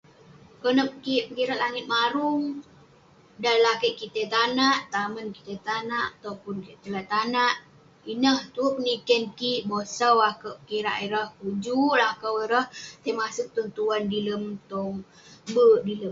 Konep kik pekirak langit marung, dan lakeik kik tai tong tanak, tamen kik tai tong tanak, topun kik tai lak tanak. Ineh tue peniken kik, bosau akouk pekirak ireh. Kuk juk lakau ireh, tai maseg tong tuan dilem, tong berk, dilem-